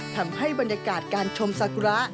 ทำให้บรรยากาศการชมสากุระ